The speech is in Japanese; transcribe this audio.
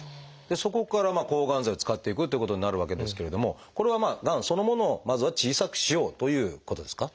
そこから抗がん剤を使っていくということになるわけですけれどもこれはがんそのものをまずは小さくしようということですか？